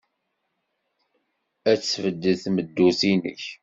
Ad tbeddel tmeddurt-nnek.